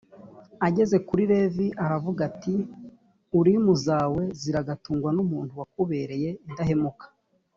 ageze kuri levi aravuga ati:« urimu zawe ziragatungwan’umuntu wakubereye indahemuka.